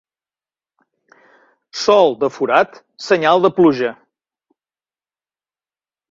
Sol de forat, senyal de pluja.